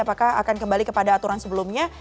apakah akan kembali kepada aturan sebelumnya